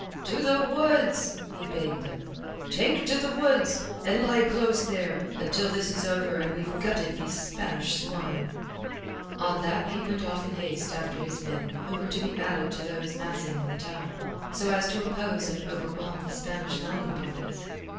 "To the woods!" he bade them. "Take to the woods, and lie close there, until this is over, and we've gutted these Spanish swine." On that he went off in haste after his men, who were to be added to those massing in the town, so as to oppose and overwhelm the Spanish landing parties.